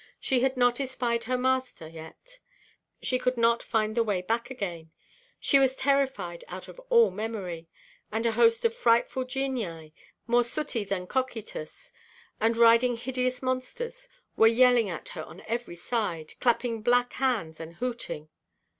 She had not espied her master yet; she could not find the way back again; she was terrified out of all memory; and a host of frightful genii, more sooty than Cocytus, and riding hideous monsters, were yelling at her on every side, clapping black hands, and hooting.